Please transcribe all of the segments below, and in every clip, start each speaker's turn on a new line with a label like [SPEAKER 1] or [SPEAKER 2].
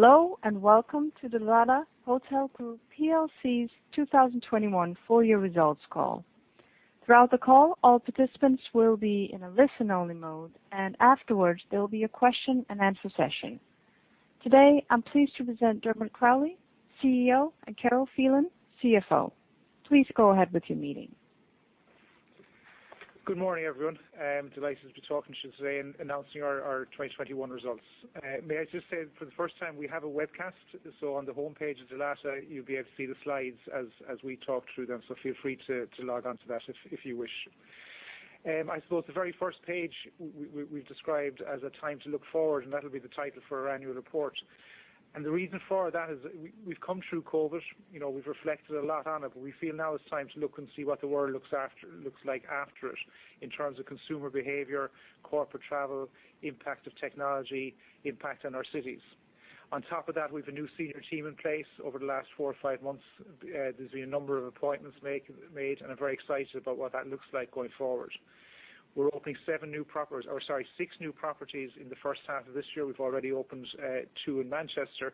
[SPEAKER 1] Hello, and welcome to the Dalata Hotel Group plc's 2021 full year results call. Throughout the call, all participants will be in a listen-only mode, and afterwards, there will be a question and answer session. Today, I'm pleased to present Dermot Crowley, CEO, and Carol Phelan, CFO. Please go ahead with your meeting.
[SPEAKER 2] Good morning, everyone. I'm delighted to be talking to you today and announcing our 2021 results. May I just say for the first time we have a webcast, so on the home page of Dalata, you'll be able to see the slides as we talk through them. Feel free to log on to that if you wish. I suppose the very first page we've described as a time to look forward, and that'll be the title for our annual report. The reason for that is we've come through COVID. You know, we've reflected a lot on it, but we feel now it's time to look and see what the world looks like after it in terms of consumer behavior, corporate travel, impact of technology, impact on our cities. On top of that, we've a new senior team in place over the last four or five months. There's been a number of appointments made, and I'm very excited about what that looks like going forward. We're opening seven new properties, or sorry, six new properties in the first half of this year. We've already opened two in Manchester,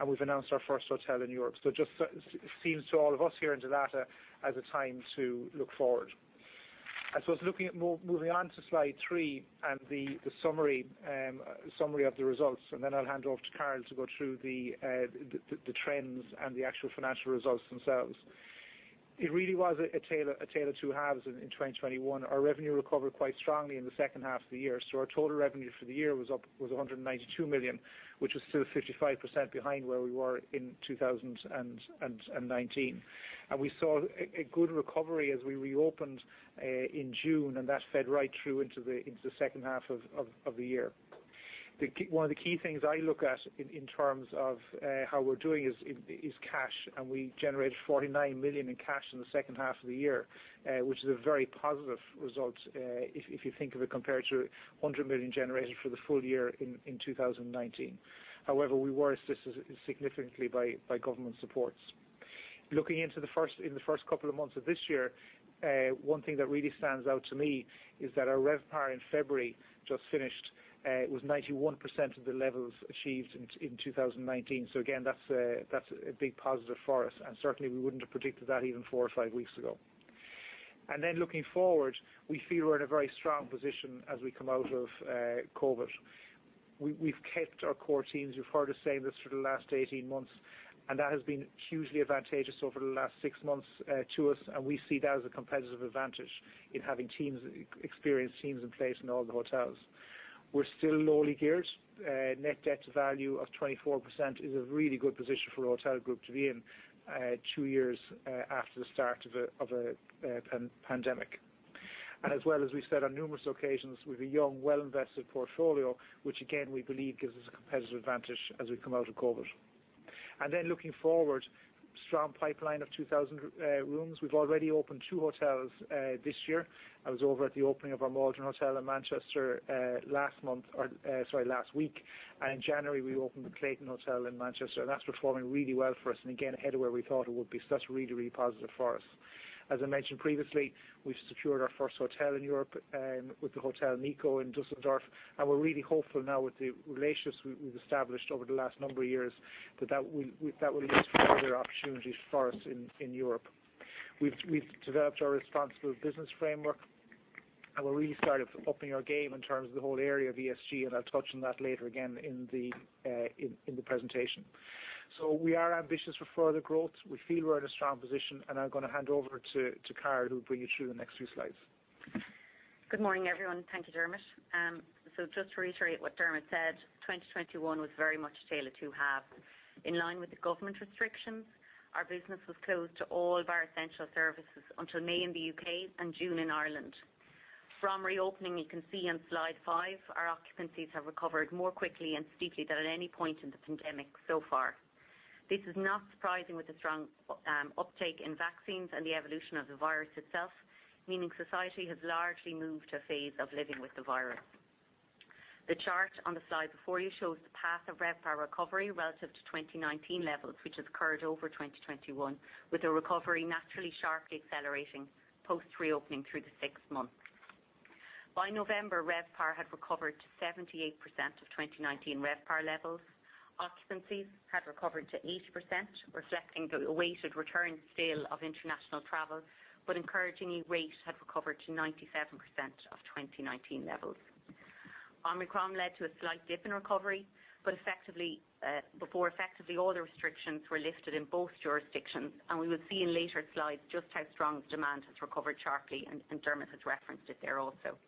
[SPEAKER 2] and we've announced our first hotel in Europe. It just seems to all of us here in Dalata as a time to look forward. I suppose looking at moving on to slide three, and the summary of the results, and then I'll hand off to Carol to go through the trends and the actual financial results themselves. It really was a tale of two halves in 2021. Our revenue recovered quite strongly in the second half of the year. Our total revenue for the year was up, 192 million, which was still 55% behind where we were in 2019. We saw a good recovery as we reopened in June, and that fed right through into the second half of the year. One of the key things I look at in terms of how we're doing is cash, and we generated 49 million in cash in the second half of the year, which is a very positive result, if you think of it compared to 100 million generated for the full year in 2019. However, we were assisted significantly by government supports. Looking into the first couple of months of this year, one thing that really stands out to me is that our RevPAR in February just finished with 91% of the levels achieved in 2019. Again, that's a big positive for us, and certainly we wouldn't have predicted that even four or five weeks ago. Looking forward, we feel we're in a very strong position as we come out of COVID. We've kept our core teams. You've heard us saying this for the last 18 months, and that has been hugely advantageous over the last six months to us, and we see that as a competitive advantage in having experienced teams in place in all the hotels. We're still lowly geared. Net debt to value of 24% is a really good position for a hotel group to be in two years after the start of a pandemic. As well, as we said on numerous occasions, with a young, well-invested portfolio, which again we believe gives us a competitive advantage as we come out of COVID. Looking forward, strong pipeline of 2,000 rooms. We've already opened two hotels this year. I was over at the opening of our Maldron Hotel in Manchester last week. In January, we opened the Clayton Hotel in Manchester, and that's performing really well for us and again ahead of where we thought it would be. That's really, really positive for us. As I mentioned previously, we've secured our first hotel in Europe with the Hotel Nikko in Düsseldorf, and we're really hopeful now with the relationships we've established over the last number of years that will lead to further opportunities for us in Europe. We've developed our responsible business framework, and we've really started upping our game in terms of the whole area of ESG, and I'll touch on that later again in the presentation. We are ambitious for further growth. We feel we're in a strong position, and I'm gonna hand over to Carol, who will bring you through the next few slides.
[SPEAKER 3] Good morning, everyone. Thank you, Dermot. Just to reiterate what Dermot said, 2021 was very much a tale of two halves. In line with the government restrictions, our business was closed to all bar essential services until May in the U.K. and June in Ireland. From reopening, you can see on slide five, our occupancies have recovered more quickly and steeply than at any point in the pandemic so far. This is not surprising with the strong uptake in vaccines and the evolution of the virus itself, meaning society has largely moved to a phase of living with the virus. The chart on the slide before you shows the path of RevPAR recovery relative to 2019 levels, which has occurred over 2021, with the recovery naturally sharply accelerating post-reopening through the sixth month. By November, RevPAR had recovered to 78% of 2019 RevPAR levels. Occupancies had recovered to 80%, reflecting the awaited return still of international travel, but encouragingly rate had recovered to 97% of 2019 levels. Omicron led to a slight dip in recovery, but before all the restrictions were lifted in both jurisdictions, and we will see in later slides just how strong the demand has recovered sharply, and Dermot has referenced it there also.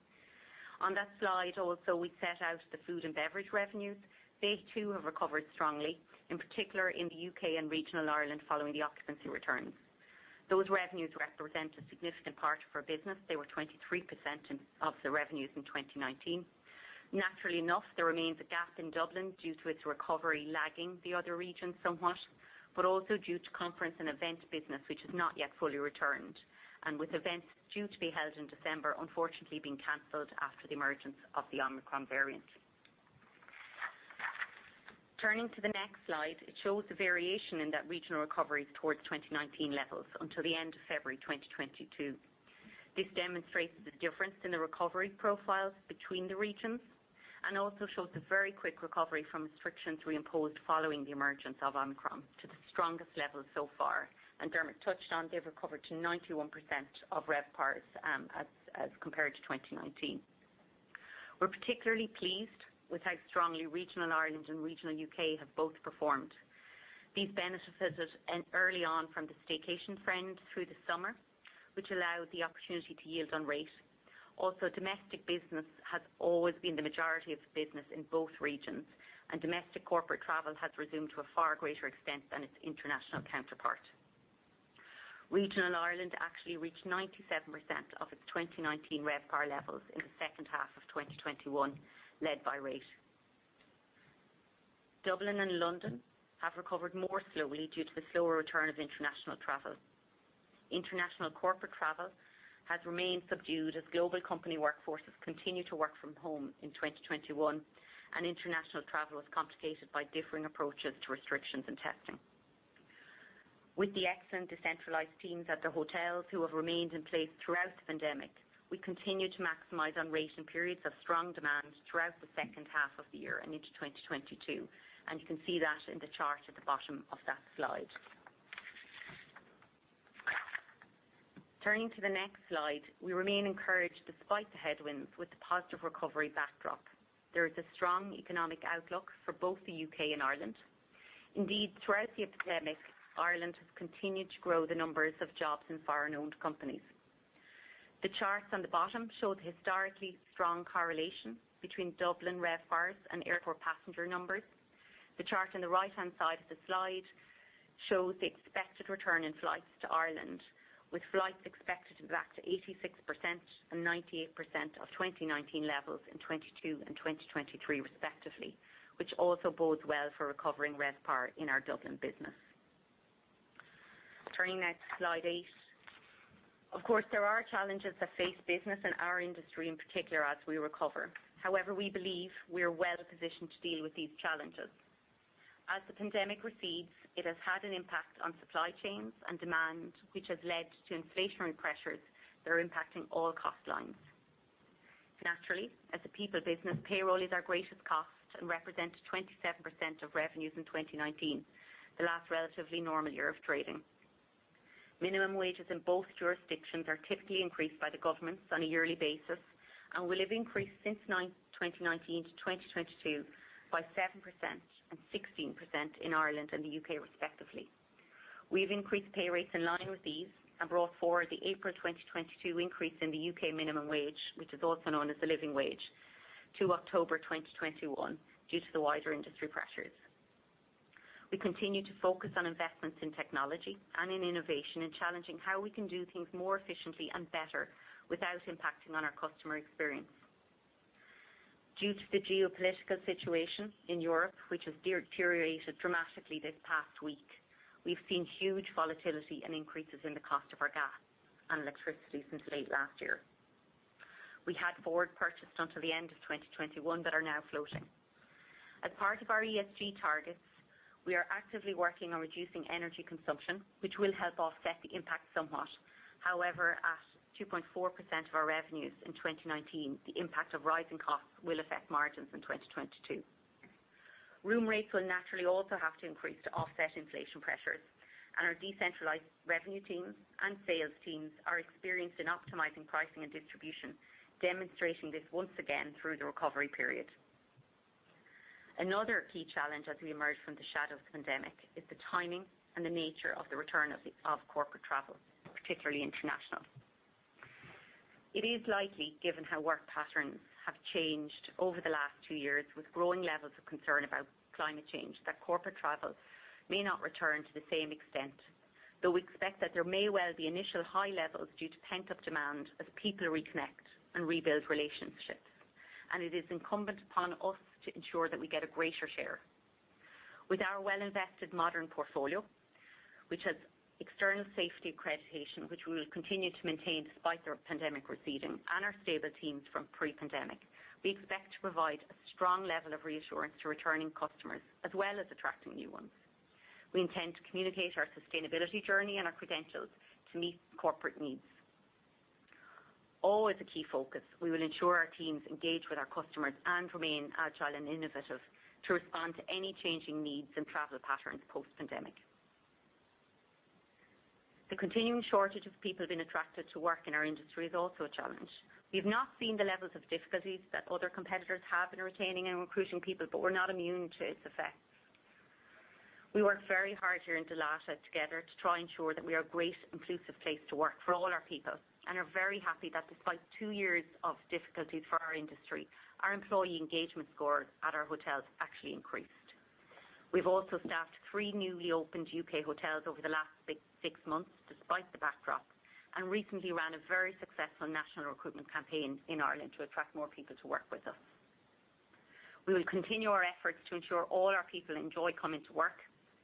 [SPEAKER 3] On that slide also, we set out the food and beverage revenues. They too have recovered strongly, in particular in the U.K. and regional Ireland following the occupancy returns. Those revenues represent a significant part of our business. They were 23% of the revenues in 2019. Naturally enough, there remains a gap in Dublin due to its recovery lagging the other regions somewhat, but also due to conference and event business which has not yet fully returned, and with events due to be held in December unfortunately being canceled after the emergence of the Omicron variant. Turning to the next slide, it shows the variation in that regional recoveries towards 2019 levels until the end of February 2022. This demonstrates the difference in the recovery profiles between the regions, and also shows the very quick recovery from restrictions we imposed following the emergence of Omicron to the strongest level so far. Dermot touched on they've recovered to 91% of RevPARs, as compared to 2019. We're particularly pleased with how strongly Regional Ireland and Regional U.K. have both performed. These benefited us in early on from the staycation trend through the summer, which allowed the opportunity to yield on rate. Also, domestic business has always been the majority of the business in both regions, and domestic corporate travel has resumed to a far greater extent than its international counterpart. Regional Ireland actually reached 97% of its 2019 RevPAR levels in the second half of 2021, led by rate. Dublin and London have recovered more slowly due to the slower return of international travel. International corporate travel has remained subdued as global company workforces continue to work from home in 2021, and international travel is complicated by differing approaches to restrictions and testing. With the excellent decentralized teams at the hotels who have remained in place throughout the pandemic, we continue to maximize on rate and periods of strong demand throughout the second half of the year and into 2022, and you can see that in the chart at the bottom of that slide. Turning to the next slide. We remain encouraged despite the headwinds with the positive recovery backdrop. There is a strong economic outlook for both the U.K. and Ireland. Indeed, throughout the epidemic, Ireland has continued to grow the numbers of jobs in foreign-owned companies. The charts on the bottom show the historically strong correlation between Dublin RevPARs and airport passenger numbers. The chart on the right-hand side of the slide shows the expected return in flights to Ireland, with flights expected to be back to 86% and 98% of 2019 levels in 2022 and 2023 respectively, which also bodes well for recovering RevPAR in our Dublin business. Turning now to slide eight. Of course, there are challenges that face business in our industry, in particular as we recover. However, we believe we are well positioned to deal with these challenges. As the pandemic recedes, it has had an impact on supply chains and demand, which has led to inflationary pressures that are impacting all cost lines. Naturally, as a people business, payroll is our greatest cost and represents 27% of revenues in 2019, the last relatively normal year of trading. Minimum wages in both jurisdictions are typically increased by the governments on a yearly basis, and will have increased since 2019 to 2022 by 7% and 16% in Ireland and the U.K. respectively. We've increased pay rates in line with these and brought forward the April 2022 increase in the U.K. minimum wage, which is also known as the living wage, to October 2021 due to the wider industry pressures. We continue to focus on investments in technology and in innovation, and challenging how we can do things more efficiently and better without impacting on our customer experience. Due to the geopolitical situation in Europe, which has deteriorated dramatically this past week, we've seen huge volatility and increases in the cost of our gas and electricity since late last year. We had forward purchased until the end of 2021, but are now floating. As part of our ESG targets, we are actively working on reducing energy consumption, which will help offset the impact somewhat. However, at 2.4% of our revenues in 2019, the impact of rising costs will affect margins in 2022. Room rates will naturally also have to increase to offset inflation pressures, and our decentralized revenue teams and sales teams are experienced in optimizing pricing and distribution, demonstrating this once again through the recovery period. Another key challenge as we emerge from the shadows of the pandemic is the timing and the nature of the return of corporate travel, particularly international. It is likely, given how work patterns have changed over the last two years with growing levels of concern about climate change, that corporate travel may not return to the same extent. Though we expect that there may well be initial high levels due to pent-up demand as people reconnect and rebuild relationships, and it is incumbent upon us to ensure that we get a greater share. With our well-invested modern portfolio, which has external safety accreditation, which we will continue to maintain despite the pandemic receding, and our stable teams from pre-pandemic, we expect to provide a strong level of reassurance to returning customers as well as attracting new ones. We intend to communicate our sustainability journey and our credentials to meet corporate needs. Always a key focus, we will ensure our teams engage with our customers and remain agile and innovative to respond to any changing needs and travel patterns post-pandemic. The continuing shortage of people being attracted to work in our industry is also a challenge. We've not seen the levels of difficulties that other competitors have in retaining and recruiting people, but we're not immune to its effects. We work very hard here in Dalata together to try ensure that we are a great, inclusive place to work for all our people, and are very happy that despite two years of difficulties for our industry, our employee engagement score at our hotels actually increased. We've also staffed three newly opened U.K. hotels over the last six months despite the backdrop, and recently ran a very successful national recruitment campaign in Ireland to attract more people to work with us. We will continue our efforts to ensure all our people enjoy coming to work,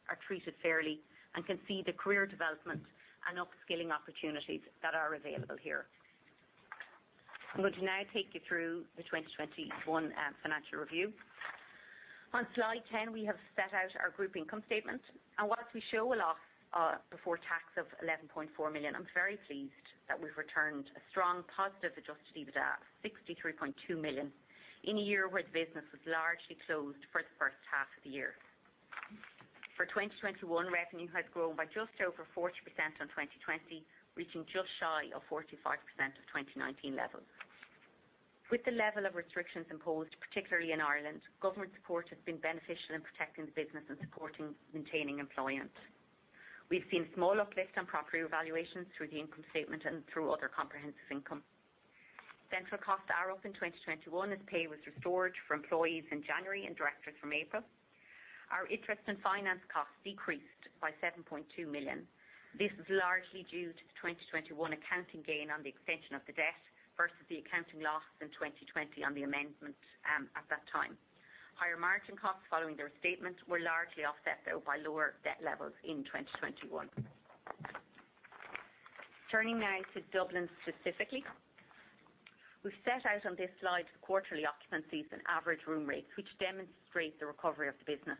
[SPEAKER 3] are treated fairly, and can see the career development and upskilling opportunities that are available here. I'm going to now take you through the 2021 financial review. On slide 10, we have set out our group income statement. Whilst we show a loss before tax of 11.4 million, I'm very pleased that we've returned a strong positive adjusted EBITDA of 63.2 million in a year where the business was largely closed for the first half of the year. For 2021, revenue has grown by just over 40% on 2020, reaching just shy of 45% of 2019 levels. With the level of restrictions imposed, particularly in Ireland, government support has been beneficial in protecting the business and supporting maintaining employment. We've seen small uplifts on property evaluations through the income statement and through other comprehensive income. Central costs are up in 2021 as pay was restored for employees in January and directors from April. Our interest and finance costs decreased by 7.2 million. This is largely due to the 2021 accounting gain on the extension of the debt versus the accounting loss in 2020 on the amendment at that time. Higher margin costs following their statements were largely offset, though, by lower debt levels in 2021. Turning now to Dublin specifically. We've set out on this slide the quarterly occupancies and average room rates, which demonstrate the recovery of the business.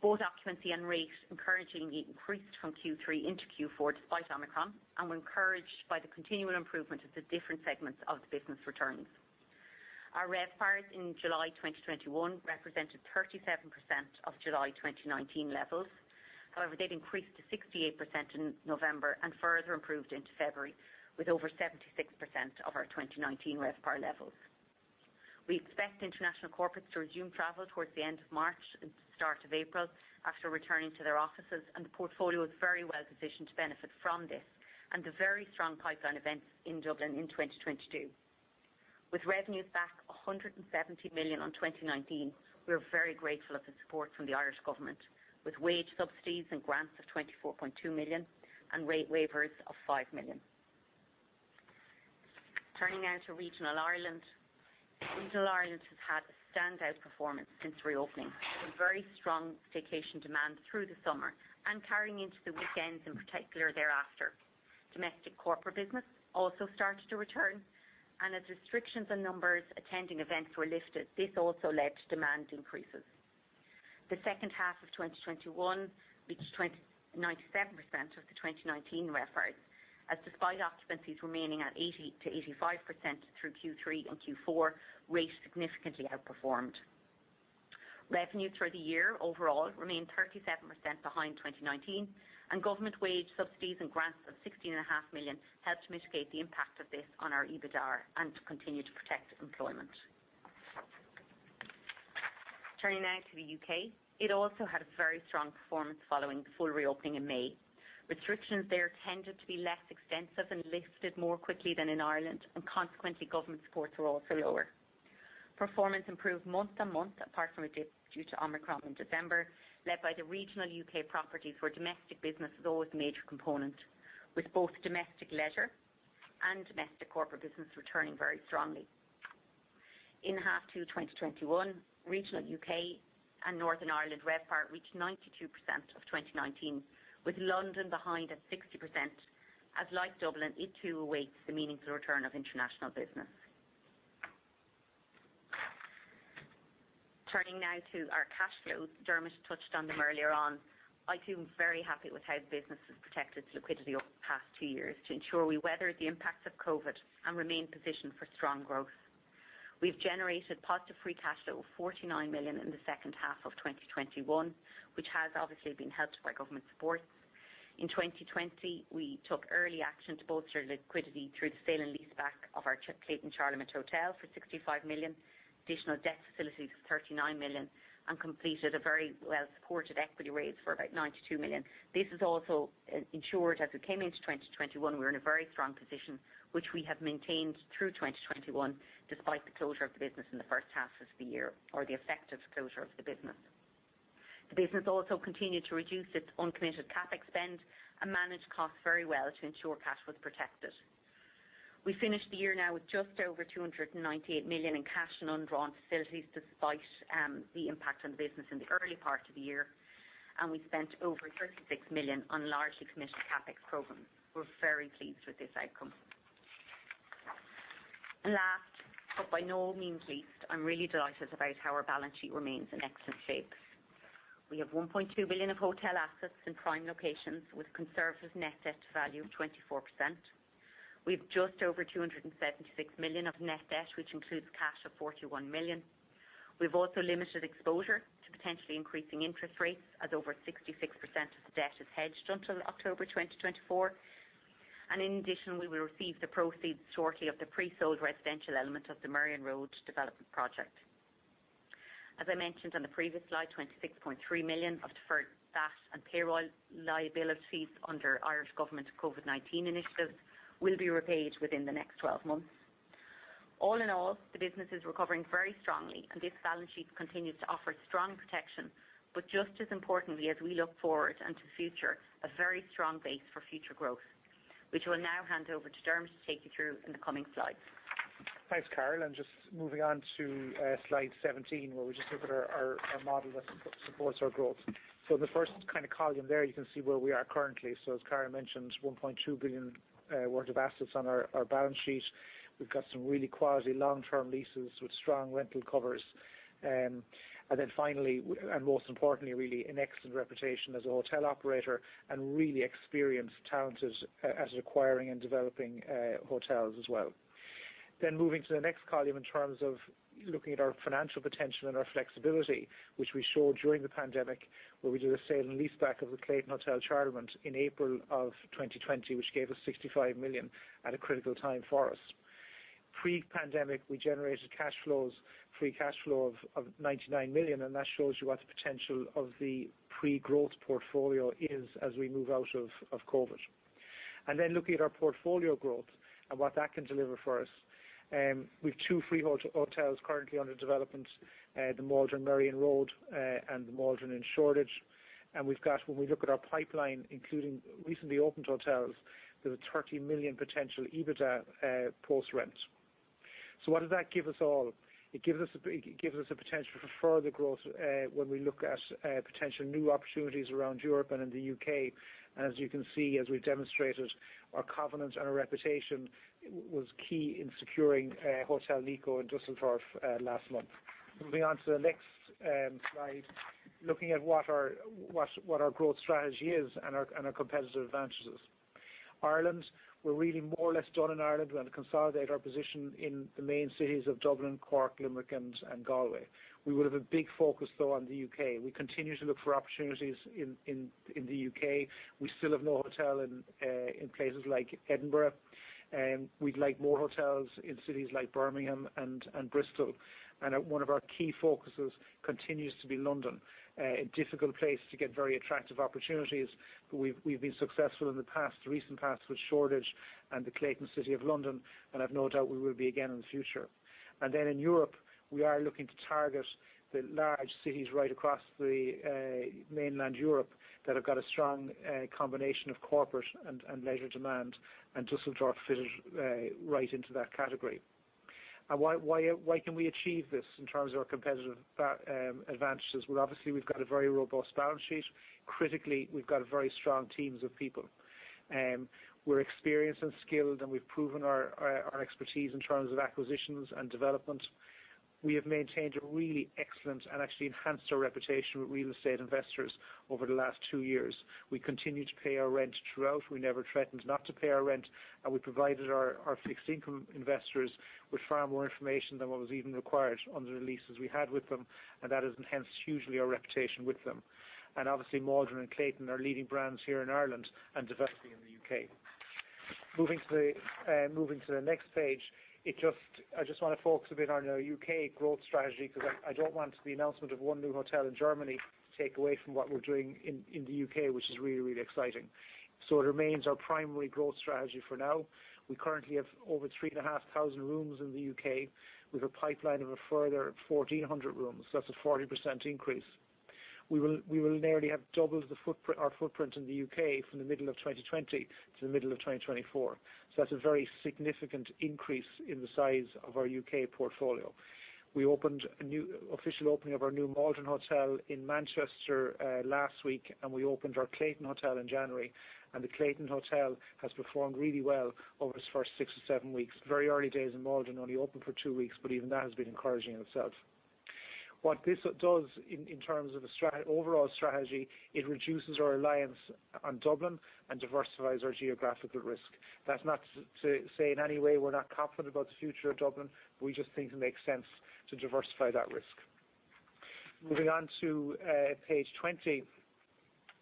[SPEAKER 3] Both occupancy and rates encouragingly increased from Q3 into Q4 despite Omicron, and we're encouraged by the continual improvement of the different segments of the business returns. Our RevPARs in July 2021 represented 37% of July 2019 levels. However, they'd increased to 68% in November and further improved into February with over 76% of our 2019 RevPAR levels. We expect international corporates to resume travel towards the end of March and start of April after returning to their offices, and the portfolio is very well positioned to benefit from this and the very strong pipeline events in Dublin in 2022. With revenues back 170 million on 2019, we are very grateful of the support from the Irish government with wage subsidies and grants of 24.2 million and rate waivers of 5 million. Turning now to regional Ireland. Regional Ireland has had a standout performance since reopening, with very strong vacation demand through the summer and carrying into the weekends in particular thereafter. Domestic corporate business also started to return, and as restrictions on numbers attending events were lifted, this also led to demand increases. The second half of 2021 reached 97% of the 2019 RevPARs, as despite occupancies remaining at 80%-85% through Q3 and Q4, rates significantly outperformed. Revenue through the year overall remained 37% behind 2019, and government wage subsidies and grants of 16.5 million helped to mitigate the impact of this on our EBITDAR and to continue to protect employment. Turning now to the U.K. It also had a very strong performance following the full reopening in May. Restrictions there tended to be less extensive and lifted more quickly than in Ireland, and consequently government supports were also lower. Performance improved month-on-month, apart from a dip due to Omicron in December, led by the regional U.K. properties where domestic business is always a major component, with both domestic leisure and domestic corporate business returning very strongly. In H2 2021, regional U.K. and Northern Ireland RevPAR reached 92% of 2019, with London behind at 60%, as like Dublin, it too awaits the meaningful return of international business. Turning now to our cash flows. Dermot touched on them earlier on. I too am very happy with how the business has protected its liquidity over the past two years to ensure we weather the impacts of COVID and remain positioned for strong growth. We've generated positive free cash flow of 49 million in the second half of 2021, which has obviously been helped by government supports. In 2020, we took early action to bolster liquidity through the sale and leaseback of our Clayton Charlemont Hotel for 65 million, additional debt facilities of 39 million, and completed a very well-supported equity raise for about 92 million. This has also ensured as we came into 2021, we were in a very strong position, which we have maintained through 2021 despite the closure of the business in the first half of the year, or the effective closure of the business. The business also continued to reduce its uncommitted CapEx spend and manage costs very well to ensure cash was protected. We finished the year now with just over 298 million in cash and undrawn facilities despite the impact on the business in the early part of the year, and we spent over 36 million on largely commissioned CapEx programs. We're very pleased with this outcome. Last, but by no means least, I'm really delighted about how our balance sheet remains in excellent shape. We have 1.2 billion of hotel assets in prime locations with a conservative net debt value of 24%. We've just over 276 million of net debt, which includes cash of 41 million. We've also limited exposure to potentially increasing interest rates as over 66% of the debt is hedged until October 2024. In addition, we will receive the proceeds shortly of the pre-sold residential element of the Merrion Road development project. As I mentioned on the previous slide, 26.3 million of deferred VAT and payroll liabilities under Irish government COVID-19 initiatives will be repaid within the next 12 months. All in all, the business is recovering very strongly, and this balance sheet continues to offer strong protection, but just as importantly, as we look forward into the future, a very strong base for future growth. Which will now hand over to Dermot to take you through in the coming slides.
[SPEAKER 2] Thanks, Carol. Just moving on to slide 17, where we just look at our model that supports our growth. In the first kind of column there, you can see where we are currently. As Carol mentioned, 1.2 billion worth of assets on our balance sheet. We've got some really quality long-term leases with strong rental covers. Then finally, and most importantly, really an excellent reputation as a hotel operator and really experienced, talented at acquiring and developing hotels as well. Moving to the next column in terms of looking at our financial potential and our flexibility, which we showed during the pandemic, where we did a sale and leaseback of the Clayton Hotel Charlemont in April of 2020, which gave us 65 million at a critical time for us. Pre-pandemic, we generated cash flows, free cash flow of 99 million, and that shows you what the potential of the pre-growth portfolio is as we move out of COVID. Looking at our portfolio growth and what that can deliver for us, we've two freehold hotels currently under development, the Maldron Marylebone Road and the Maldron in Shoreditch. When we look at our pipeline, including recently opened hotels, there's a 30 million potential EBITDA post-rent. What does that give us all? It gives us a potential for further growth when we look at potential new opportunities around Europe and in the U.K.. As you can see, as we demonstrated, our covenant and our reputation was key in securing Hotel Nikko in Düsseldorf last month. Moving on to the next slide, looking at what our growth strategy is and our competitive advantages. Ireland, we're really more or less done in Ireland. We want to consolidate our position in the main cities of Dublin, Cork, Limerick, and Galway. We would have a big focus though on the U.K. We continue to look for opportunities in the U.K. We still have no hotel in places like Edinburgh, and we'd like more hotels in cities like Birmingham and Bristol. One of our key focuses continues to be London, a difficult place to get very attractive opportunities, but we've been successful in the past, recent past with Shoreditch and the Clayton Hotel City of London, and I've no doubt we will be again in the future. In Europe, we are looking to target the large cities right across the mainland Europe that have got a strong combination of corporate and leisure demand, and Düsseldorf fitted right into that category. Why can we achieve this in terms of our competitive advantages? Well, obviously, we've got a very robust balance sheet. Critically, we've got very strong teams of people. We're experienced and skilled, and we've proven our expertise in terms of acquisitions and development. We have maintained a really excellent and actually enhanced our reputation with real estate investors over the last two years. We continue to pay our rent throughout. We never threatened not to pay our rent, and we provided our fixed income investors with far more information than what was even required under the leases we had with them, and that has enhanced hugely our reputation with them. Obviously, Maldron and Clayton are leading brands here in Ireland and developing in the U.K. Moving to the next page, I just wanna focus a bit on our U.K. growth strategy because I don't want the announcement of one new hotel in Germany to take away from what we're doing in the U.K., which is really exciting. It remains our primary growth strategy for now. We currently have over 3,500 rooms in the U.K. with a pipeline of a further 1,400 rooms. That's a 40% increase. We will nearly have doubled the footprint in the U.K. from the middle of 2020 to the middle of 2024. That's a very significant increase in the size of our U.K. portfolio. We opened a new official opening of our new Maldron Hotel in Manchester last week, and we opened our Clayton Hotel in January. The Clayton Hotel has performed really well over its first six or seven weeks. Very early days in Maldron, only open for two weeks, but even that has been encouraging in itself. What this does in terms of an overall strategy, it reduces our reliance on Dublin and diversifies our geographical risk. That's not to say in any way we're not confident about the future of Dublin. We just think it makes sense to diversify that risk. Moving on to page 20,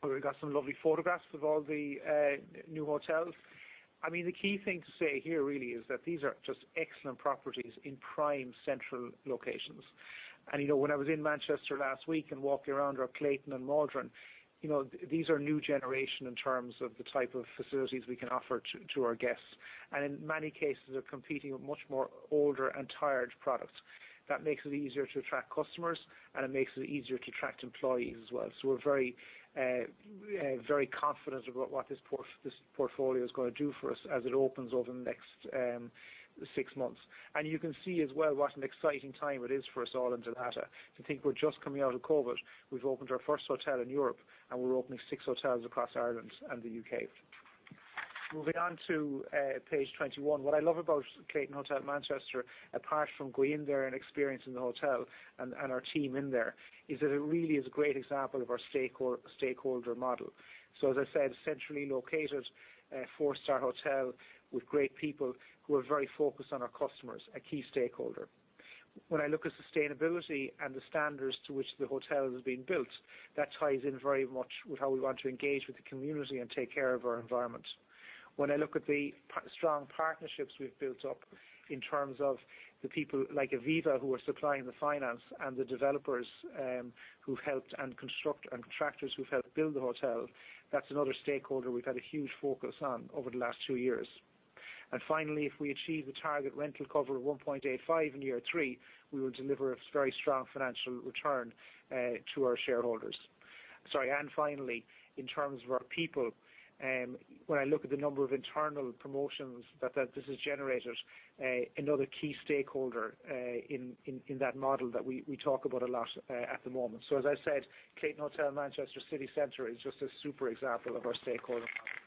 [SPEAKER 2] where we've got some lovely photographs of all the new hotels. I mean, the key thing to say here really is that these are just excellent properties in prime central locations. You know, when I was in Manchester last week and walking around our Clayton and Maldron, you know, these are new generation in terms of the type of facilities we can offer to our guests. In many cases, they're competing with much more older and tired products. That makes it easier to attract customers, and it makes it easier to attract employees as well. We're very confident about what this portfolio is gonna do for us as it opens over the next six months. You can see as well what an exciting time it is for us all in Dalata. To think we're just coming out of COVID, we've opened our first hotel in Europe, and we're opening six hotels across Ireland and the U.K. Moving on to page 21. What I love about Clayton Hotel Manchester, apart from going there and experiencing the hotel and our team in there, is that it really is a great example of our stakeholder model. As I said, centrally located four-star hotel with great people who are very focused on our customers, a key stakeholder. When I look at sustainability and the standards to which the hotel has been built, that ties in very much with how we want to engage with the community and take care of our environment. When I look at the strong partnerships we've built up in terms of the people like Aviva, who are supplying the finance, and the developers, who helped construct, and contractors who've helped build the hotel, that's another stakeholder we've had a huge focus on over the last two years. Finally, if we achieve the target rental cover of one point eight five in year three, we will deliver a very strong financial return to our shareholders. Sorry, finally, in terms of our people, when I look at the number of internal promotions that this has generated, another key stakeholder in that model that we talk about a lot at the moment. As I said, Clayton Hotel Manchester City Centre is just a super example of our stakeholder approach.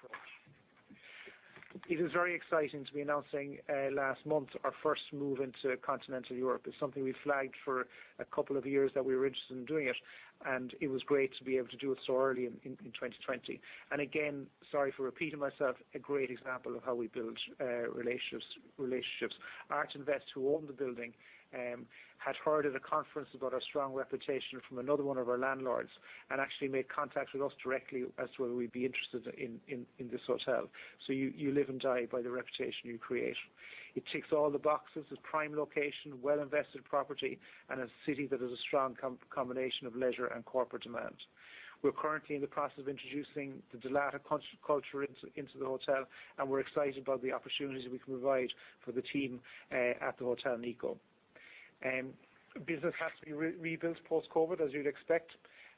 [SPEAKER 2] It is very exciting to be announcing last month, our first move into continental Europe. It's something we flagged for a couple of years that we were interested in doing it, and it was great to be able to do it so early in 2020. Again, sorry for repeating myself, a great example of how we build relationships. Art-Invest, who own the building, had heard at a conference about our strong reputation from another one of our landlords, and actually made contact with us directly as to whether we'd be interested in this hotel. You live and die by the reputation you create. It ticks all the boxes. Its prime location, well-invested property, and a city that has a strong combination of leisure and corporate demand. We're currently in the process of introducing the Dalata culture into the hotel, and we're excited about the opportunities we can provide for the team at the Hotel Nikko. Business has to be rebuilt post-COVID, as you'd expect.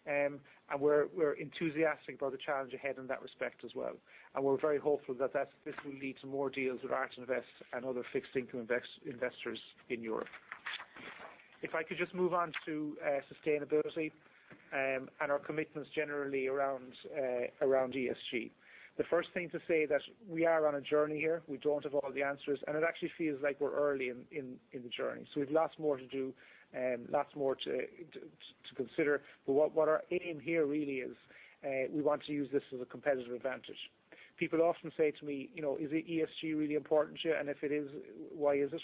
[SPEAKER 2] We're enthusiastic about the challenge ahead in that respect as well. We're very hopeful that this will lead to more deals with Art-Invest and other fixed income investors in Europe. If I could just move on to sustainability and our commitments generally around ESG. The first thing to say is that we are on a journey here. We don't have all the answers, and it actually feels like we're early in the journey. We've lots more to do and lots more to consider. What our aim here really is, we want to use this as a competitive advantage. People often say to me, you know, "Is ESG really important to you? And if it is, why is it?"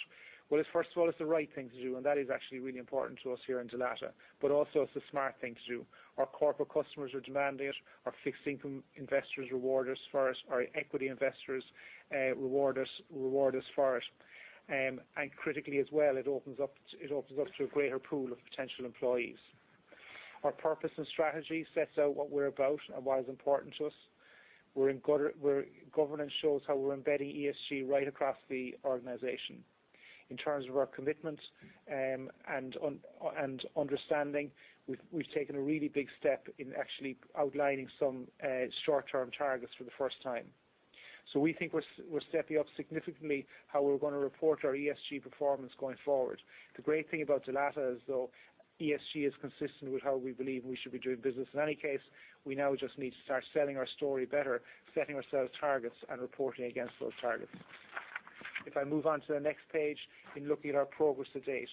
[SPEAKER 2] Well, it's first of all, it's the right thing to do, and that is actually really important to us here in Dalata. It's the smart thing to do. Our corporate customers are demanding it. Our fixed income investors reward us for it. Our equity investors reward us for it. Critically as well, it opens up to a greater pool of potential employees. Our purpose and strategy sets out what we're about and what is important to us. Our governance shows how we're embedding ESG right across the organization. In terms of our commitment, and understanding, we've taken a really big step in actually outlining some short-term targets for the first time. We think we're stepping up significantly how we're gonna report our ESG performance going forward. The great thing about Dalata is, though, ESG is consistent with how we believe we should be doing business. In any case, we now just need to start selling our story better, setting ourselves targets, and reporting against those targets. If I move on to the next page, in looking at our progress to date,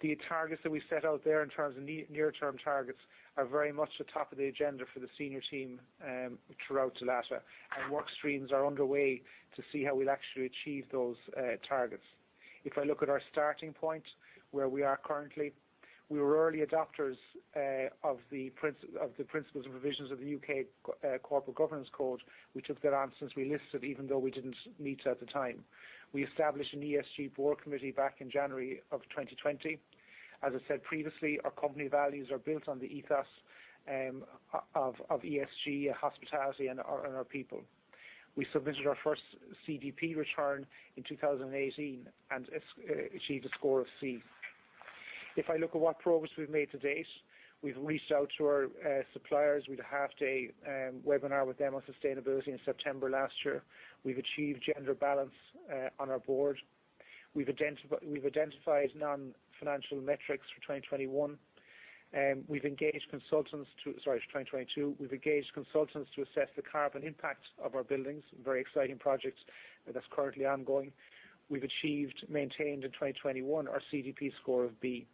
[SPEAKER 2] the targets that we set out there in terms of near-term targets are very much the top of the agenda for the senior team throughout Dalata, and work streams are underway to see how we'll actually achieve those targets. If I look at our starting point, where we are currently, we were early adopters of the principles and provisions of the U.K. Corporate Governance Code. We took that on since we listed, even though we didn't meet it at the time. We established an ESG board committee back in January of 2020. As I said previously, our company values are built on the ethos of ESG, hospitality, and our people. We submitted our first CDP return in 2018 and achieved a score of C. If I look at what progress we've made to date, we've reached out to our suppliers. We had a half-day webinar with them on sustainability in September last year. We've achieved gender balance on our board. We've identified non-financial metrics for 2021. We've engaged consultants, sorry 2022. We've engaged consultants to assess the carbon impact of our buildings, very exciting project that's currently ongoing. We've achieved and maintained in 2021 our CDP score of B.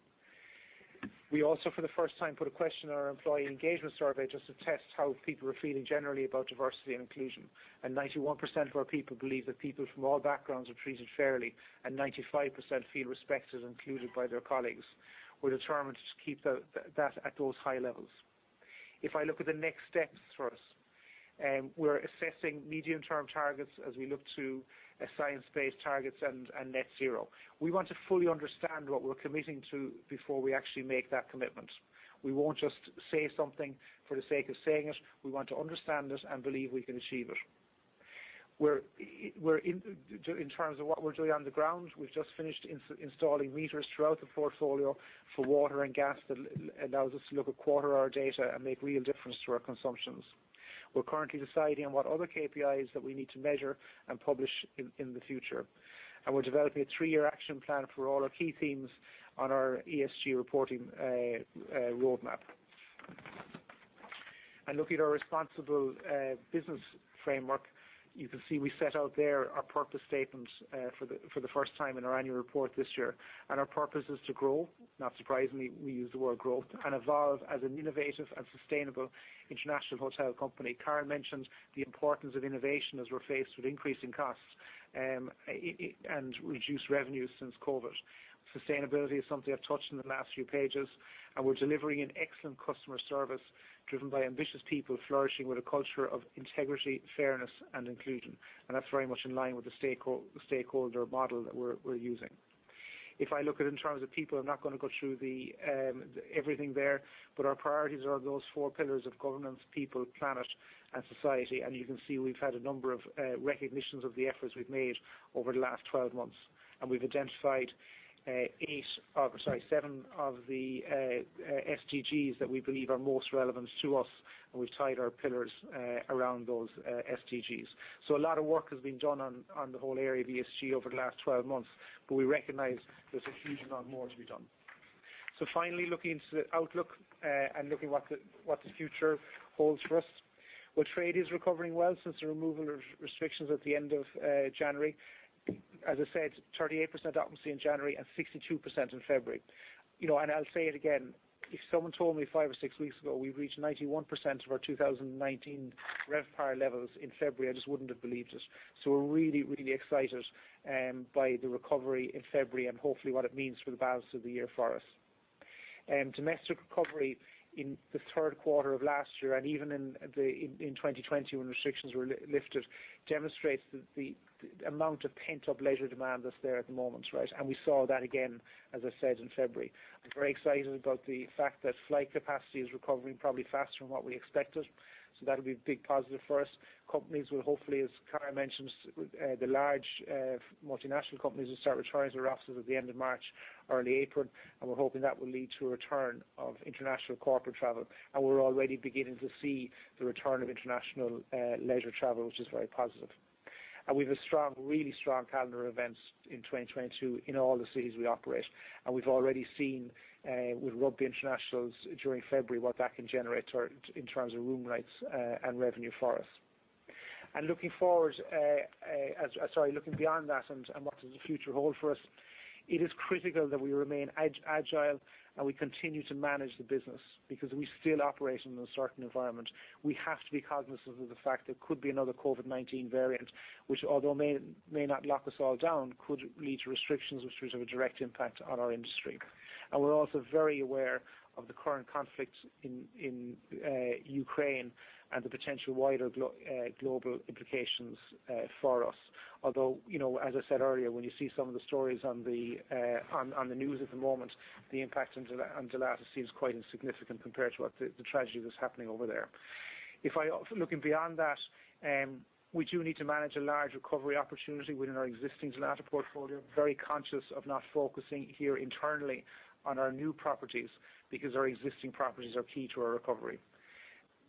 [SPEAKER 2] We also, for the first time, put a question on our employee engagement survey just to test how people are feeling generally about diversity and inclusion, and 91% of our people believe that people from all backgrounds are treated fairly, and 95% feel respected and included by their colleagues. We're determined to keep that at those high levels. If I look at the next steps for us, we're assessing medium-term targets as we look to science-based targets and net zero. We want to fully understand what we're committing to before we actually make that commitment. We won't just say something for the sake of saying it. We want to understand it and believe we can achieve it. We're in terms of what we're doing on the ground, we've just finished installing meters throughout the portfolio for water and gas that allows us to look at quarter-hour data and make real difference to our consumptions. We're currently deciding on what other KPIs that we need to measure and publish in the future. We're developing a three-year action plan for all our key themes on our ESG reporting roadmap. Looking at our responsible business framework, you can see we set out there our purpose statement for the first time in our annual report this year. Our purpose is to grow. Not surprisingly, we use the word growth and evolve as an innovative and sustainable international hotel company. Carol mentioned the importance of innovation as we're faced with increasing costs and reduced revenues since COVID. Sustainability is something I've touched in the last few pages, and we're delivering an excellent customer service driven by ambitious people flourishing with a culture of integrity, fairness, and inclusion. That's very much in line with the stakeholder model that we're using. If I look at it in terms of people, I'm not gonna go through the everything there, but our priorities are those four pillars of governance, people, planet, and society. You can see we've had a number of recognitions of the efforts we've made over the last 12 months. We've identified eight, or sorry, seven of the SDGs that we believe are most relevant to us, and we've tied our pillars around those SDGs. A lot of work has been done on the whole area of ESG over the last 12 months, but we recognize there's a huge amount more to be done. Finally, looking into the outlook and looking what the future holds for us. Well, trade is recovering well since the removal of restrictions at the end of January. As I said, 38% occupancy in January and 62% in February. You know, and I'll say it again, if someone told me five or six weeks ago we've reached 91% of our 2019 RevPAR levels in February, I just wouldn't have believed it. We're really, really excited by the recovery in February and hopefully what it means for the balance of the year for us. Domestic recovery in the third quarter of last year, and even in 2020 when restrictions were lifted, demonstrates the amount of pent-up leisure demand that's there at the moment, right? We saw that again, as I said, in February. I'm very excited about the fact that flight capacity is recovering probably faster than what we expected, so that'll be a big positive for us. Companies will hopefully, as Carol mentioned, the large multinational companies will start returning to offices at the end of March, early April, and we're hoping that will lead to a return of international corporate travel, and we're already beginning to see the return of international leisure travel, which is very positive. We have a strong, really strong calendar of events in 2022 in all the cities we operate, and we've already seen with Rugby Internationals during February what that can generate in terms of room rates and revenue for us. Looking forward, sorry, looking beyond that and what does the future hold for us, it is critical that we remain agile and we continue to manage the business because we still operate in a certain environment. We have to be cognizant of the fact there could be another COVID-19 variant, which although may not lock us all down, could lead to restrictions which would have a direct impact on our industry. We're also very aware of the current conflict in Ukraine and the potential wider global implications for us. Although, you know, as I said earlier, when you see some of the stories on the news at the moment, the impact on Dalata seems quite insignificant compared to what the tragedy that's happening over there. Looking beyond that, we do need to manage a large recovery opportunity within our existing Dalata portfolio. Very conscious of not focusing here internally on our new properties because our existing properties are key to our recovery.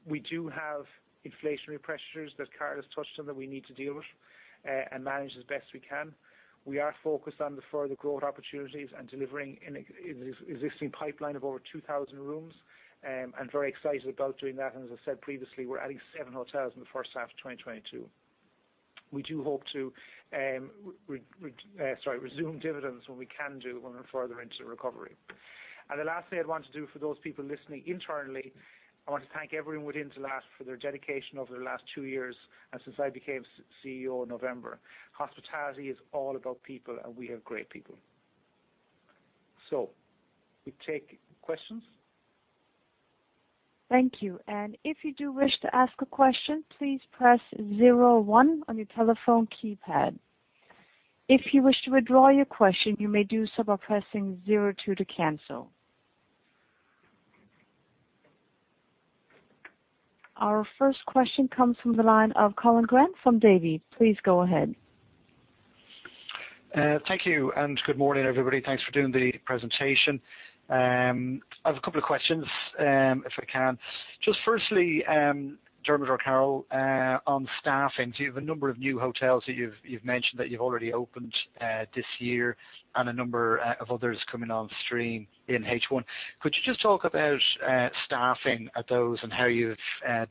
[SPEAKER 2] We do have inflationary pressures that Carol has touched on that we need to deal with and manage as best we can. We are focused on the further growth opportunities and delivering an existing pipeline of over 2,000 rooms and very excited about doing that. As I said previously, we're adding seven hotels in the first half of 2022. We do hope to resume dividends when we can, when we're further into the recovery. The last thing I'd want to do for those people listening internally, I want to thank everyone within Dalata for their dedication over the last two years, and since I became CEO in November. Hospitality is all about people, and we have great people. We take questions.
[SPEAKER 1] Thank you. If you do wish to ask a question, please press zero one on your telephone keypad. If you wish to withdraw your question, you may do so by pressing zero two to cancel. Our first question comes from the line of Colin Grant from Davy. Please go ahead.
[SPEAKER 4] Thank you, and good morning, everybody. Thanks for doing the presentation. I have a couple of questions, if I can. Just firstly, Dermot or Carol, on staffing. You have a number of new hotels that you've mentioned that you've already opened this year and a number of others coming on stream in H1. Could you just talk about staffing at those and how you've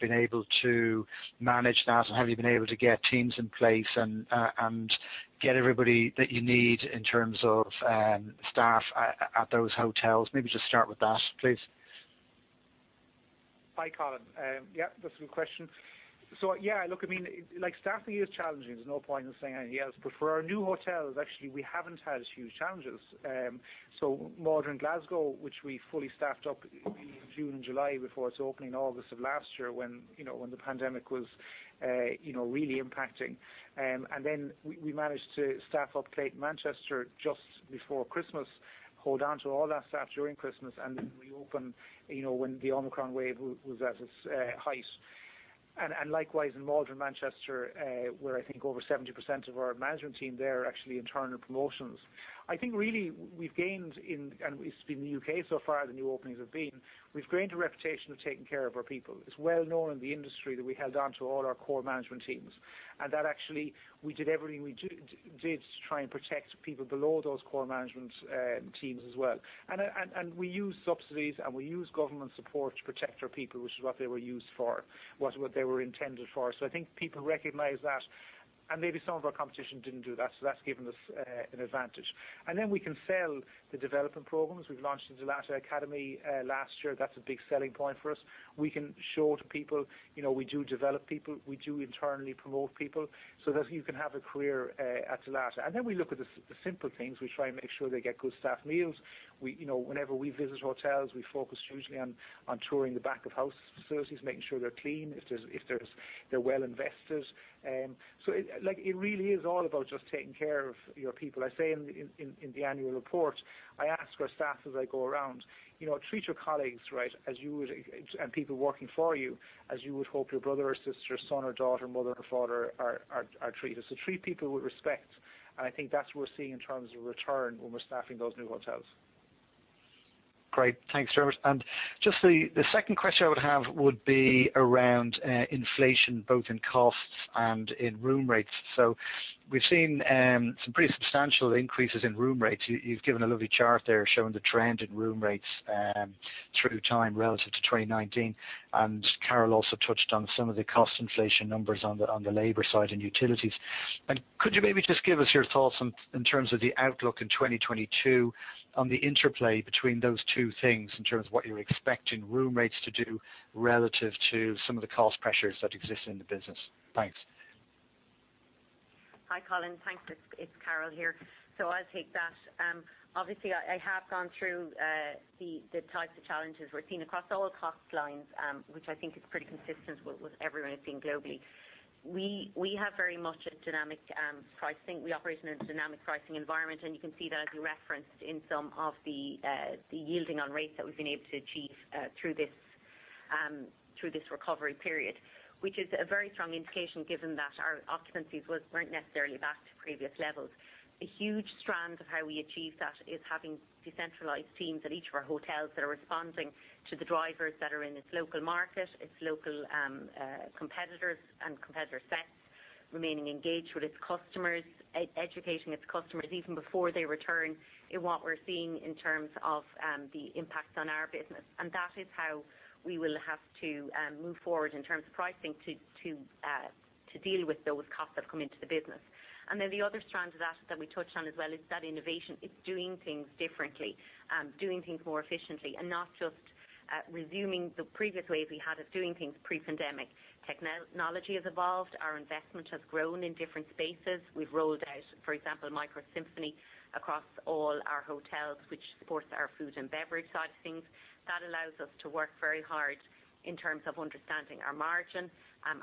[SPEAKER 4] been able to manage that and have you been able to get teams in place and get everybody that you need in terms of staff at those hotels? Maybe just start with that, please.
[SPEAKER 2] Hi, Colin. Yeah, that's a good question. Yeah, look, I mean, like staffing is challenging. There's no point in saying anything else. For our new hotels, actually, we haven't had huge challenges. Maldron Glasgow, which we fully staffed up in June and July before its opening August of last year when, you know, when the pandemic was, you know, really impacting, and then we managed to staff up Clayton Manchester just before Christmas, hold on to all that staff during Christmas, and then reopen, you know, when the Omicron wave was at its height. Likewise in Maldron Manchester, where I think over 70% of our management team there are actually internal promotions. I think really we've gained in, and it's been in the U.K. so far, the new openings have been. We've gained a reputation of taking care of our people. It's well known in the industry that we held on to all our core management teams. That actually we did everything we did to try and protect people below those core management teams as well. We used subsidies, and we used government support to protect our people, which is what they were used for, was what they were intended for. I think people recognize that. Maybe some of our competition didn't do that, so that's given us an advantage. Then we can sell the development programs. We've launched Dalata Academy last year. That's a big selling point for us. We can show to people, you know, we do develop people, we do internally promote people so that you can have a career at Dalata. We look at the simple things. We try and make sure they get good staff meals. You know, whenever we visit hotels, we focus usually on touring the back-of-house services, making sure they're clean, they're well-invested. It like, it really is all about just taking care of your people. I say in the annual report. I ask our staff as I go around, you know, treat your colleagues right as you would and people working for you as you would hope your brother or sister, son or daughter, mother or father are treated. Treat people with respect. I think that's what we're seeing in terms of return when we're staffing those new hotels.
[SPEAKER 4] Great. Thanks, Dermot. Just the second question I would have would be around inflation, both in costs and in room rates. We've seen some pretty substantial increases in room rates. You've given a lovely chart there showing the trend in room rates through time relative to 2019. Carol also touched on some of the cost inflation numbers on the labor side and utilities. Could you maybe just give us your thoughts in terms of the outlook in 2022 on the interplay between those two things in terms of what you expect in room rates to do relative to some of the cost pressures that exist in the business? Thanks.
[SPEAKER 3] Hi, Colin. Thanks. It's Carol here. I'll take that. Obviously I have gone through the types of challenges we're seeing across all cost lines, which I think is pretty consistent with everyone is seeing globally. We have very much a dynamic pricing. We operate in a dynamic pricing environment, and you can see that as you referenced in some of the yielding on rates that we've been able to achieve through this recovery period, which is a very strong indication given that our occupancies weren't necessarily back to previous levels. A huge strand of how we achieve that is having decentralized teams at each of our hotels that are responding to the drivers that are in its local market, its local competitors and competitor sets, remaining engaged with its customers, educating its customers even before they return in what we're seeing in terms of the impacts on our business. That is how we will have to move forward in terms of pricing to deal with those costs that have come into the business. The other strand of that that we touched on as well is that innovation. It's doing things differently, doing things more efficiently and not just resuming the previous ways we had of doing things pre-pandemic. Technology has evolved. Our investment has grown in different spaces. We've rolled out, for example, MICROS Simphony across all our hotels, which supports our food and beverage side of things. That allows us to work very hard in terms of understanding our margin,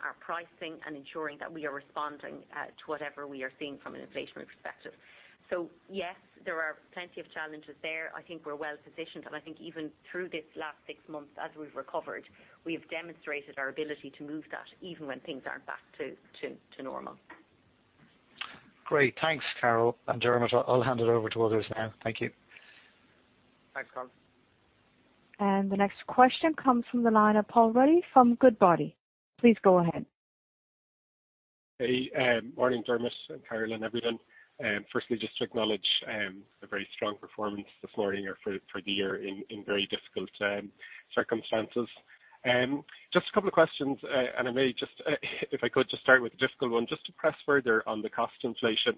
[SPEAKER 3] our pricing, and ensuring that we are responding to whatever we are seeing from an inflation perspective. Yes, there are plenty of challenges there. I think we're well-positioned, and I think even through this last six months as we've recovered, we've demonstrated our ability to move that even when things aren't back to normal.
[SPEAKER 4] Great. Thanks, Carol and Dermot. I'll hand it over to others now. Thank you.
[SPEAKER 2] Thanks, Colin.
[SPEAKER 1] The next question comes from the line of Paul Ruddy from Goodbody. Please go ahead.
[SPEAKER 5] Hey, morning, Dermot and Carol and everyone. Firstly, just to acknowledge a very strong performance this morning or for the year in very difficult circumstances. Just a couple of questions. I may just, if I could just start with a difficult one, just to press further on the cost inflation.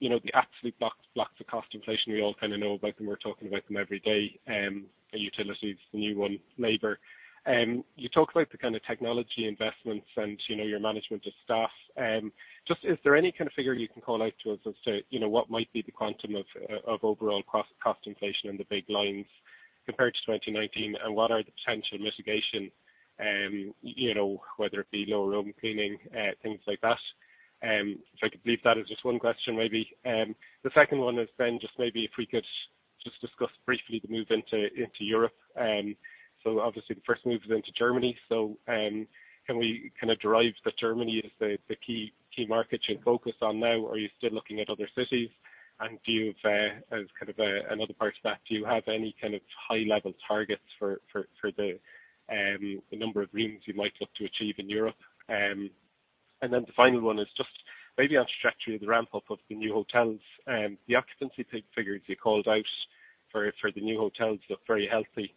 [SPEAKER 5] You know, the absolute blocks of cost inflation, we all kinda know about them. We're talking about them every day. The utilities, the new one, labor. You talk about the kinda technology investments and, you know, your management of staff. Just is there any kind of figure you can call out to us as to, you know, what might be the quantum of overall cost inflation in the big lines compared to 2019? What are the potential mitigation, you know, whether it be lower room cleaning, things like that. If I could leave that as just one question, maybe. The second one is just maybe if we could just discuss briefly the move into Europe. Obviously the first move is into Germany. Can we kinda derive that Germany is the key market you're focused on now, or are you still looking at other cities? Do you have, as kind of another part to that, any kind of high-level targets for the number of rooms you might look to achieve in Europe? The final one is just maybe on the trajectory of the ramp-up of the new hotels, the occupancy figures you called out for the new hotels look very healthy.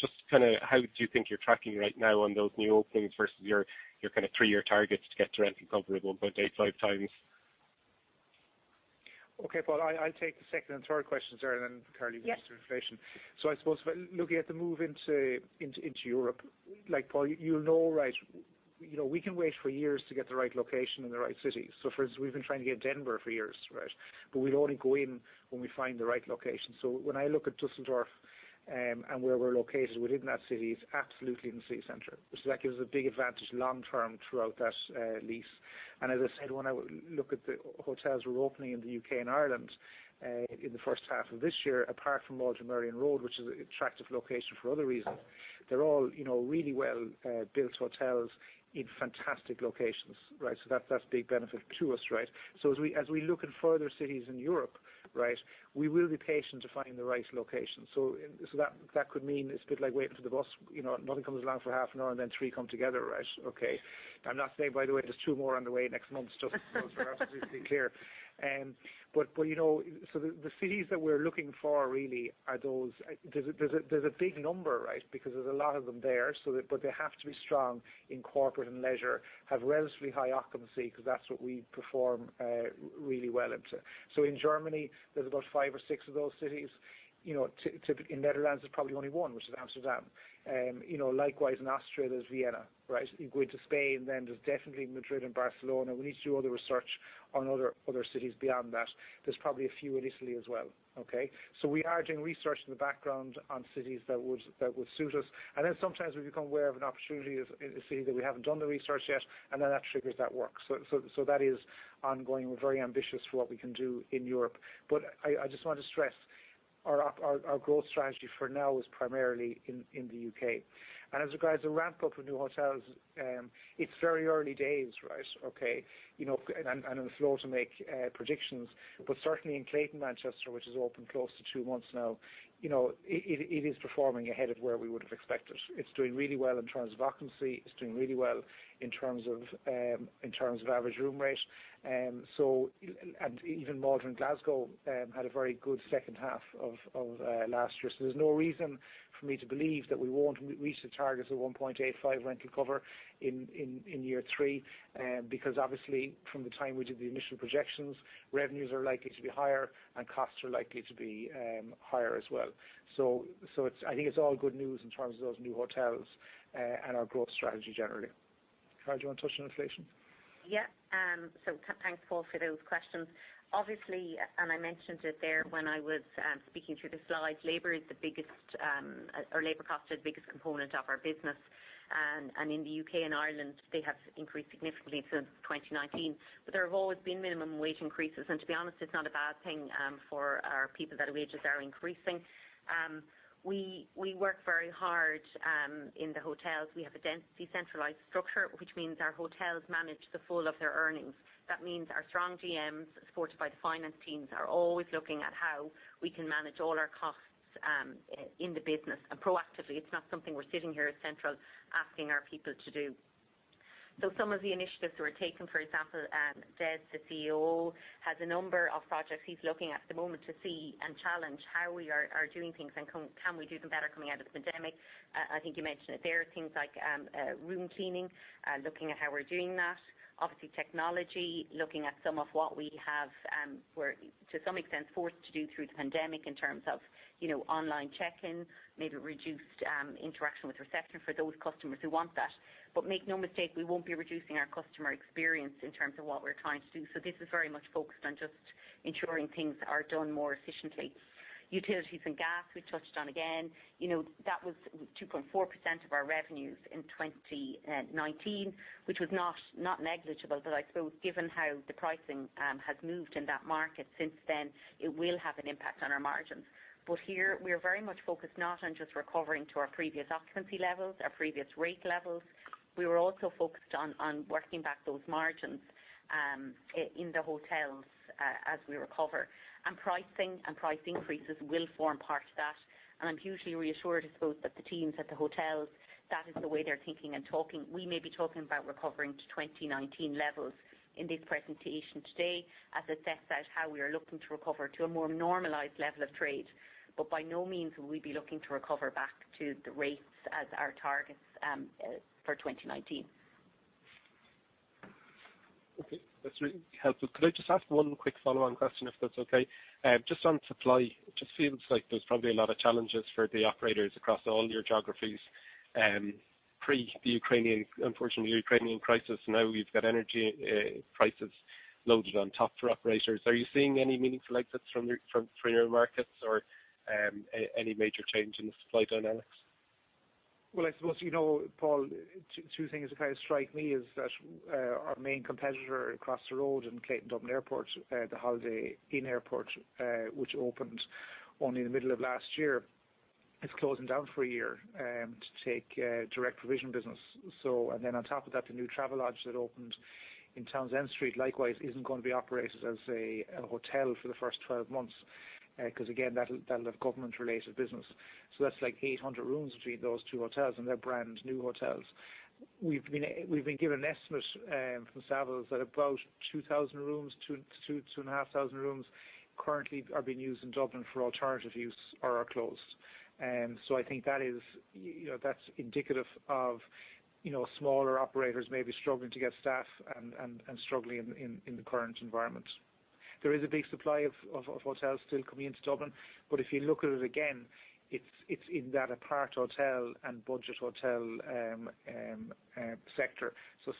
[SPEAKER 5] Just kinda how do you think you're tracking right now on those new openings versus your kinda three-year targets to get to RevPAR comparable 0.85x?
[SPEAKER 2] Okay, Paul, I'll take the second and third questions there, and then Carol.
[SPEAKER 3] Yes.
[SPEAKER 2] can answer inflation. I suppose when looking at the move into Europe, like, Paul, you'll know, right, you know, we can wait for years to get the right location and the right city. For instance, we've been trying to get Denver for years, right? We'll only go in when we find the right location. When I look at Düsseldorf and where we're located within that city is absolutely in the city center. That gives us a big advantage long term throughout that lease. As I said, when I look at the hotels we're opening in the U.K. and Ireland in the first half of this year, apart from Maldron Merrion Road, which is attractive location for other reasons, they're all, you know, really well built hotels in fantastic locations. Right? That, that's a big benefit to us, right? As we look at further cities in Europe, right, we will be patient to find the right location. That could mean it's a bit like waiting for the bus, you know, nothing comes along for half an hour and then three come together, right? Okay. I'm not saying, by the way, there's two more on the way next month. Just so absolutely clear. You know, so the cities that we're looking for really are those. There's a big number, right? Because there's a lot of them there, but they have to be strong in corporate and leisure, have relatively high occupancy because that's what we perform really well into. In Germany, there's about five or six of those cities. You know, in the Netherlands, there's probably only one, which is Amsterdam. You know, likewise, in Austria, there's Vienna, right? You go into Spain, then there's definitely Madrid and Barcelona. We need to do all the research on other cities beyond that. There's probably a few in Italy as well. Okay? We are doing research in the background on cities that would suit us. Sometimes we become aware of an opportunity as in a city that we haven't done the research yet, and then that triggers that work. That is ongoing. We're very ambitious for what we can do in Europe. I just want to stress our growth strategy for now is primarily in the U.K. As regards to ramp up of new hotels, it's very early days, right? Okay. You know, I'm slow to make predictions, but certainly in Clayton Manchester, which is open close to two months now, you know, it is performing ahead of where we would have expected. It's doing really well in terms of occupancy. It's doing really well in terms of average room rate. Even Maldron Glasgow had a very good second half of last year. There's no reason for me to believe that we won't reach the targets of 1.85 rental cover in year three, because obviously from the time we did the initial projections, revenues are likely to be higher and costs are likely to be higher as well. I think it's all good news in terms of those new hotels, and our growth strategy generally. Carol, do you wanna touch on inflation?
[SPEAKER 3] Yeah. Thanks, Paul, for those questions. Obviously, I mentioned it there when I was speaking through the slides, labor is the biggest, or labor cost is the biggest component of our business. In the U.K. and Ireland, they have increased significantly since 2019. There have always been minimum wage increases. To be honest, it's not a bad thing, for our people that our wages are increasing. We work very hard in the hotels. We have a dense decentralized structure, which means our hotels manage the full of their earnings. That means our strong GMs, supported by the finance teams, are always looking at how we can manage all our costs, in the business and proactively. It's not something we're sitting here at central asking our people to do. Some of the initiatives that we're taking, for example, Des, the COO, has a number of projects he's looking at the moment to see and challenge how we are doing things and can we do them better coming out of the pandemic. I think you mentioned it. There are things like room cleaning, looking at how we're doing that. Obviously, technology, looking at some of what we have, we're to some extent forced to do through the pandemic in terms of, you know, online check-ins, maybe reduced interaction with reception for those customers who want that. Make no mistake, we won't be reducing our customer experience in terms of what we're trying to do. This is very much focused on just ensuring things are done more efficiently. Utilities and gas we touched on again. You know, that was 2.4% of our revenues in 2019, which was not negligible. I suppose given how the pricing has moved in that market since then, it will have an impact on our margins. Here we are very much focused not on just recovering to our previous occupancy levels, our previous rate levels. We were also focused on working back those margins in the hotels as we recover. Pricing and price increases will form part of that. I'm hugely reassured, I suppose, that the teams at the hotels, that is the way they're thinking and talking. We may be talking about recovering to 2019 levels in this presentation today as it sets out how we are looking to recover to a more normalized level of trade. By no means will we be looking to recover back to the rates as our targets for 2019.
[SPEAKER 5] Okay. That's really helpful. Could I just ask one quick follow-on question, if that's okay? Just on supply, just seems like there's probably a lot of challenges for the operators across all your geographies, pre the Ukraine crisis, unfortunately. Now you've got energy prices loaded on top for operators. Are you seeing any meaningful exits from your markets or any major change in the supply dynamics?
[SPEAKER 2] Well, I suppose, you know, Paul, two things that kind of strike me is that our main competitor across the road in Clayton Hotel Dublin Airport, the Holiday Inn Dublin Airport, which opened only in the middle of last year, is closing down for a year to take direct provision business. Then on top of that, the new Travelodge that opened in Townsend Street, likewise, isn't going to be operated as a hotel for the first 12 months because again, that'll have government related business. That's like 800 rooms between those two hotels and they're brand new hotels. We've been given an estimate from Savills that about 2,000 rooms, two to two and a half thousand rooms currently are being used in Dublin for alternative use or are closed. I think that is, you know, that's indicative of, you know, smaller operators maybe struggling to get staff and struggling in the current environment. There is a big supply of hotels still coming into Dublin. If you look at it again, it's in that apart hotel and budget hotel sector.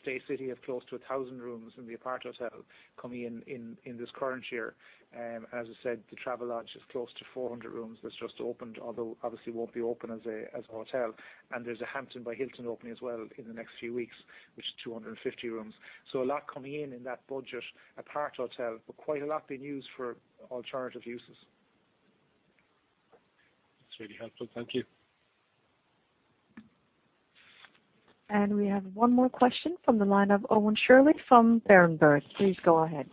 [SPEAKER 2] Staycity have close to 1,000 rooms in the apart hotel coming in in this current year. As I said, the Travelodge is close to 400 rooms that's just opened, although obviously won't be open as a hotel. There's a Hampton by Hilton opening as well in the next few weeks, which is 250 rooms. A lot coming in in that budget aparthotel, but quite a lot being used for alternative uses.
[SPEAKER 5] That's really helpful. Thank you. We have one more question from the line of Owen Shirley from Berenberg. Please go ahead.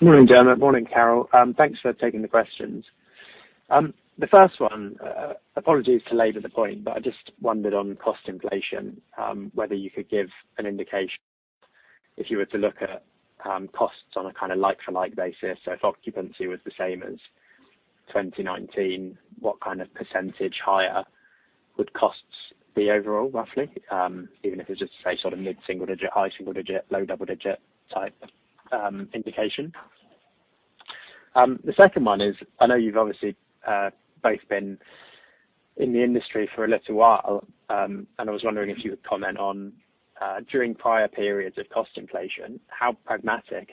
[SPEAKER 6] Morning, Dermot. Morning, Carol. Thanks for taking the questions. The first one, apologies to labor the point, but I just wondered on cost inflation, whether you could give an indication if you were to look at, costs on a kinda like-for-like basis. If occupancy was the same as 2019, what kind of percentage higher would costs be overall, roughly, even if it's just say, sort of mid-single digit, high single digit, low double digit type, indication? The second one is, I know you've obviously, both been in the industry for a little while, and I was wondering if you would comment on, during prior periods of cost inflation, how pragmatic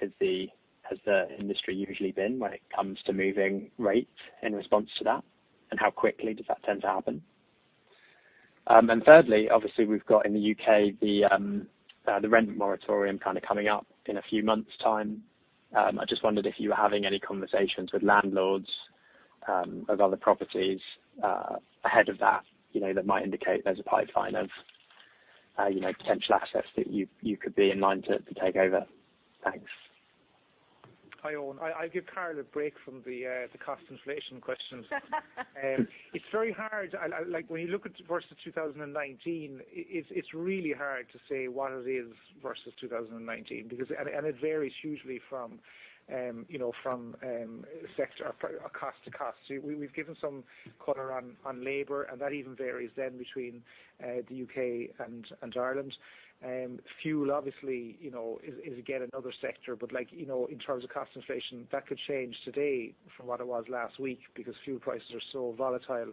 [SPEAKER 6] has the industry usually been when it comes to moving rates in response to that and how quickly does that tend to happen? Thirdly, obviously we've got in the U.K., the rent moratorium kinda coming up in a few months time. I just wondered if you were having any conversations with landlords of other properties ahead of that, you know, that might indicate there's a pipeline of, you know, potential assets that you could be in line to take over. Thanks.
[SPEAKER 2] Hi, Owen. I'll give Carol a break from the cost inflation questions. It's very hard. Like, when you look at versus 2019, it's really hard to say what it is versus 2019 because it varies hugely from, you know, from sector or cost to cost. We've given some color on labor, and that even varies then between the U.K. and Ireland. Fuel obviously, you know, is again another sector, but like, you know, in terms of cost inflation, that could change today from what it was last week because fuel prices are so volatile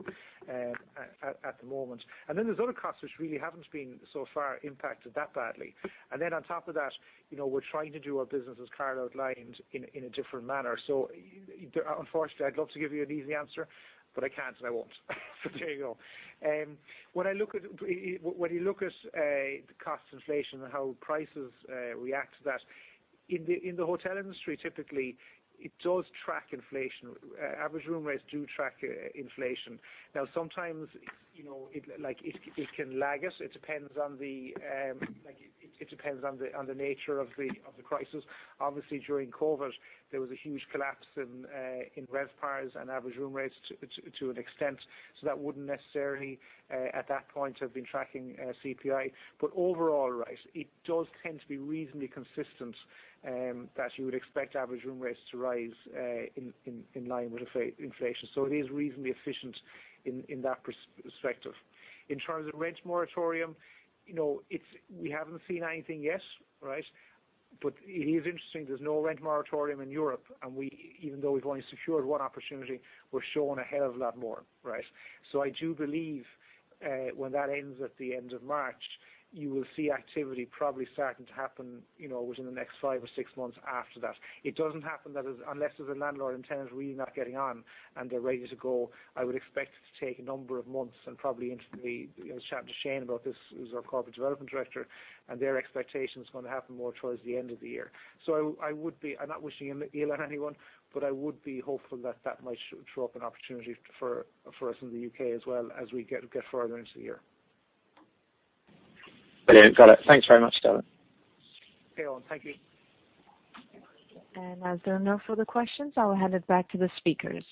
[SPEAKER 2] at the moment. Then there's other costs which really haven't been so far impacted that badly. On top of that, you know, we're trying to do our business, as Carol outlined, in a different manner. Unfortunately, I'd love to give you an easy answer, but I can't and I won't. There you go. When you look at the cost inflation and how prices react to that, in the hotel industry, typically, it does track inflation. Average room rates do track inflation. Now, sometimes, you know, it can lag us. It depends on the nature of the crisis. Obviously, during COVID, there was a huge collapse in RevPAR and average room rates to an extent. That wouldn't necessarily, at that point, have been tracking CPI. Overall rise, it does tend to be reasonably consistent that you would expect average room rates to rise in line with inflation. It is reasonably efficient in that perspective. In terms of rent moratorium, you know, it's. We haven't seen anything yet, right? It is interesting there's no rent moratorium in Europe, and even though we've only secured one opportunity, we're showing ahead of that more, right? I do believe when that ends at the end of March, you will see activity probably starting to happen, you know, within the next five or six months after that. It doesn't happen that fast unless there's a landlord and tenant really not getting on and they're ready to go. I would expect it to take a number of months and probably into the, you know. I was chatting to Shane about this, who's our corporate development director, and their expectation is gonna happen more towards the end of the year. I would be. I'm not wishing ill on anyone, but I would be hopeful that that might throw up an opportunity for us in the U.K. as well as we get further into the year.
[SPEAKER 6] Brilliant. Got it. Thanks very much, Dermot.
[SPEAKER 2] Okay, Owen. Thank you.
[SPEAKER 1] As there are no further questions, I'll hand it back to the speakers.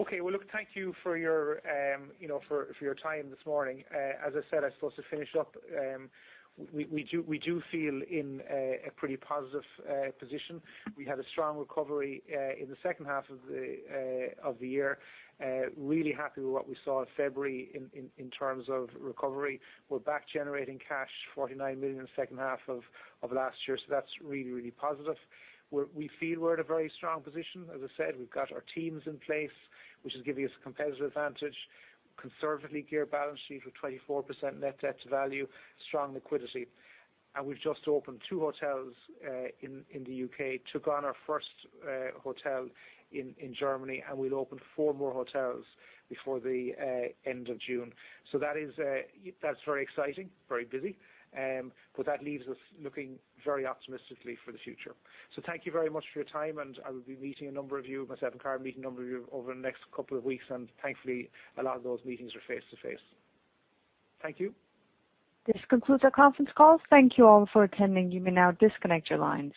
[SPEAKER 2] Okay. Well, look, thank you for your, you know, for your time this morning. As I said, I'm supposed to finish up, we do feel in a pretty positive position. We had a strong recovery in the second half of the year. Really happy with what we saw in February in terms of recovery. We're back generating cash, 49 million in the second half of last year, so that's really positive. We feel we're at a very strong position. As I said, we've got our teams in place, which is giving us a competitive advantage. Conservatively geared balance sheet with 24% net debt to value, strong liquidity. We've just opened two hotels in the U.K., took on our first hotel in Germany, and we'll open four more hotels before the end of June. That is, that's very exciting, very busy. That leaves us looking very optimistically for the future. Thank you very much for your time, and I will be meeting a number of you. Myself and Carol are meeting a number of you over the next couple of weeks, and thankfully a lot of those meetings are face-to-face. Thank you.
[SPEAKER 1] This concludes our conference call. Thank you all for attending. You may now disconnect your lines.